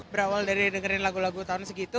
berawal dari dengerin lagu lagu tahun segitu